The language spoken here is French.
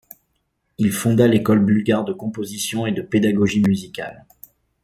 Il fonda l'école bulgare de composition et de pédagogie musicale.